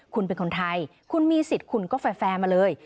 คุณเป็นคนไทยคุณมีสิทธิ์คุณก็แฟร์มาเลย